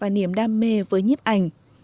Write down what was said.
niềm đam mê với nhiếp ảnh